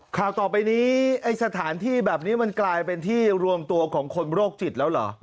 ข่าวต่อไปนี้ไอ้สถานที่แบบนี้มันกลายเป็นที่รวมตัวของคนโรคจิตแล้วเหรอ